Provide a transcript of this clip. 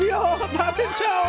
食べちゃおう！